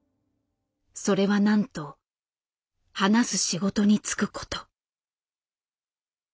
それはなんと「話す仕事に就く」こと。